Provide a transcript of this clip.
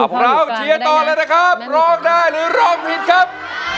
เชียร์ต่อเลยนะครับร้องได้หรือร้องผิดครับ